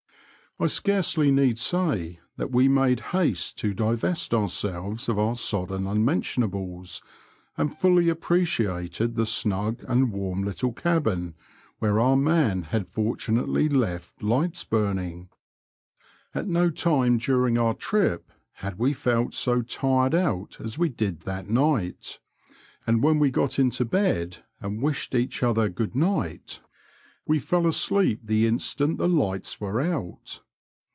I scarcely need say that we made haste to divest ourselves of our sodden unmentionables, and fully appreciated the snug and warm little cabin, where our man had fortunately left lights burning. At no time during our trip had we felt so tired out as we did that night, and when we got into bed and wished each other good night, we fell asleep the instant the lights were out.